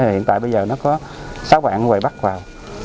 hiện tại bây giờ nó có sáu bạn phải bắt vào